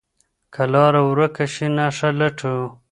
که لاره ورکه شي، نښه لټو.